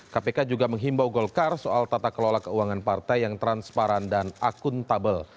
kpk juga menghimbau golkar soal tata kelola keuangan partai yang transparan dan akuntabel